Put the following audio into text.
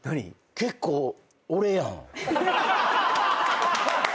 結構俺やん。